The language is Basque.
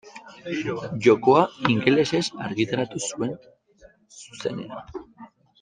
Jokoa ingelesez argitaratu zuen zuzenean.